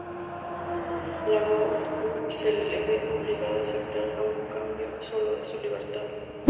La Goa'uld se ve obligada a aceptar, a cambio solo de su libertad.